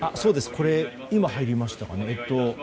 これ今、入りましたかね。